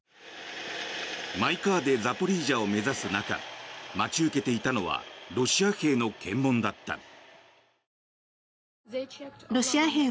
マイカーでザポリージャを目指す中待ち受けていたのはロシア兵の検問だった。